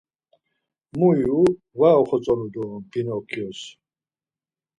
Mu ivu var oxatzonu doren Pinokyos.